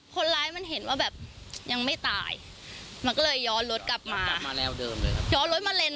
คนร้ายมันเห็นว่าแบบยังไม่ตายมันก็เลยย้อนรถกลับมาย้อนรถมาเล่น